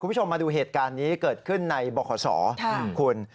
คุณผู้ชมมาดูเหตุการณ์นี้เกิดขึ้นในบขคุณ